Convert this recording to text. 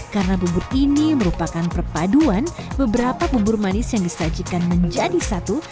karena bubur ini merupakan perpaduan beberapa bubur manis yang disajikan menjadi satu